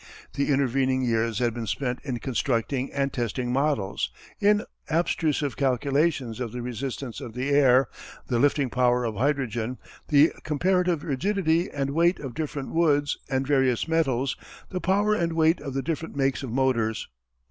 The intervening years had been spent in constructing and testing models, in abstruse calculations of the resistance of the air, the lifting power of hydrogen, the comparative rigidity and weight of different woods and various metals, the power and weight of the different makes of motors.